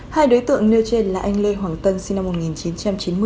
hai đối tượng nêu trên là anh lê hoàng tân sinh năm một nghìn chín trăm chín mươi